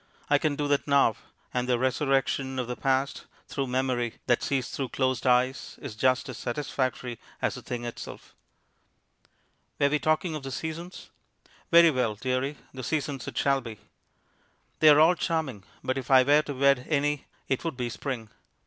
I can do that now, and the resurrection of the past, through memory, that sees through closed eyes, is just as satisfactory as the thing itself. Were we talking of the seasons? Very well, dearie, the seasons it shall be. They are all charming, but if I were to wed any it would be Spring.